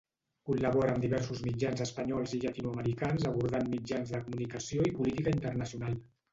Col·labora amb diversos mitjans espanyols i llatinoamericans abordant mitjans de comunicació i política internacional.